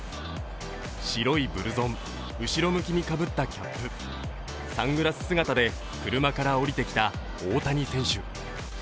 白いブルゾン、後ろ向きにかぶったキャップ、サングラス姿で車から降りてきた大谷選手。